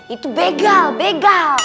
itu begal begal